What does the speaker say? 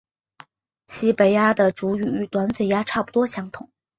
西北鸦的主羽与短嘴鸦差不多相同。